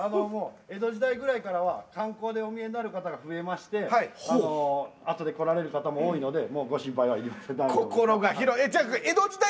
江戸時代くらいからは観光でお見えになる方がいらっしゃってあとで来られる方も多いのでご心配なく。